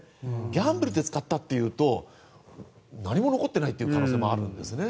ギャンブルで使ったというと何も残っていないという可能性もあるんですよね。